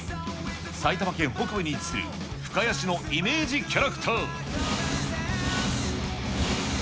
埼玉県北部に位置する深谷市のイメージキャラクター。